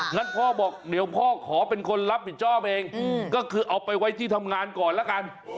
งั้นพ่อบอกเดี๋ยวพ่อขอเป็นคนรับผิดชอบเองก็คือเอาไปไว้ที่ทำงานก่อนละกัน